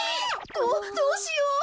どうしよう。